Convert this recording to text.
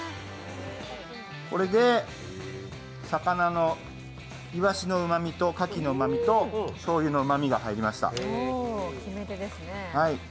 これで、魚のいわしのうまみとカキのうまみとしょうゆのうまみが入りました。